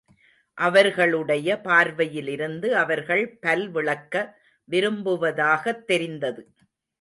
அவர்களுடைய பார்வையிலிருந்து, அவர்கள் பல் விளக்க விரும்புவதாகத் தெரிந்தது.